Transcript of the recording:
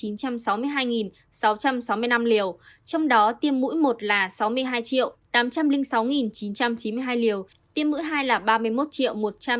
sáu trăm sáu mươi năm liều trong đó tiêm mũi một là sáu mươi hai tám trăm linh sáu chín trăm chín mươi hai liều tiêm mũi hai là ba mươi một một trăm năm mươi năm sáu trăm bảy mươi ba liều